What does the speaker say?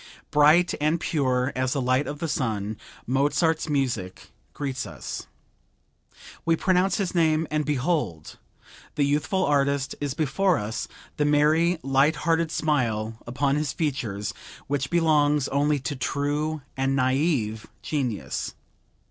Bright and pure as the light of the sun, Mozart's music greets us. We pronounce his name and behold! the youthful artist is before us, the merry, light hearted smile upon his features, which belongs only to true and naive genius.